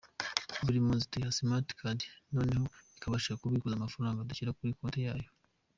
Buri mpunzi tuyiha smart card noneho ikabasha kubikuza amafaranga dushyira kuri konti yayo”.